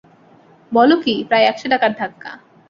বল কী, প্রায় একশো টাকার ধাক্কা।